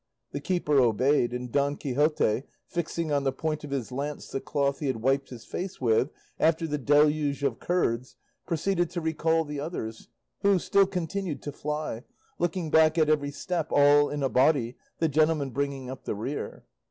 The keeper obeyed, and Don Quixote, fixing on the point of his lance the cloth he had wiped his face with after the deluge of curds, proceeded to recall the others, who still continued to fly, looking back at every step, all in a body, the gentleman bringing up the rear.